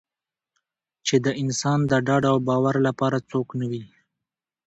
چې د انسان د ډاډ او باور لپاره څوک نه وي.